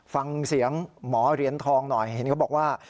ฟังเสียงหมอเหรียญทองหน่อยเห็นเขาบอกว่า